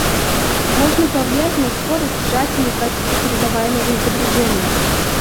Можно повлиять на скорость сжатия и качество передаваемого изображения